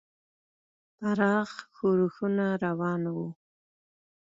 پراخ ښورښونه روان وو.